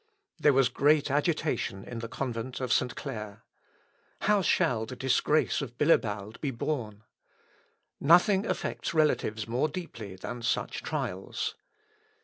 There was great agitation in the Convent of St. Clair. How shall the disgrace of Bilibald be borne? Nothing affects relatives more deeply than such trials.